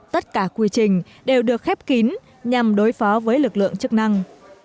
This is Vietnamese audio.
tất cả quy trình đều được khép kín nhằm đối phó với lực lượng chức năng